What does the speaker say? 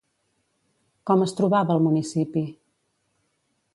Com es trobava el municipi?